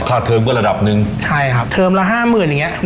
ค่าเทิมก็ระดับนึงใช่ครับเทิมละห้ามื่นอย่างนี้